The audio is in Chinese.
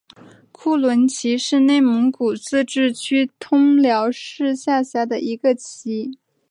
库伦旗是内蒙古自治区通辽市下辖的一个旗。